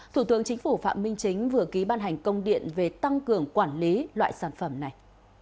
thủ tướng chính phủ phạm minh chính vừa ký ban hành công điện về tăng cường quản lý loại sản phẩm này